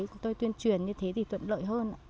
chúng tôi tuyên truyền như thế thì tuyện lợi hơn ạ